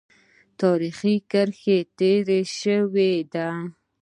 تاریخي کرښه تېره شوې ده.